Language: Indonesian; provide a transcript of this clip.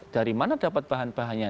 dari mana dapat bahan bahannya